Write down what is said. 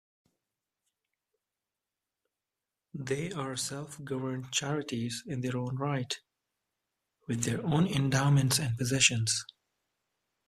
They are self-governed charities in their own right, with their own endowments and possessions.